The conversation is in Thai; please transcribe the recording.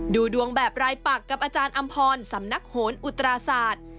ดูดวงแบบรายปักกับอาจารย์อำพรสำนักโหนอุตราศาสตร์